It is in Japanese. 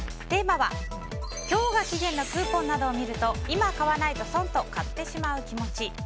テーマは今日までが期限のクーポンなどを見ると今買わないと損と買ってしまう気持ち。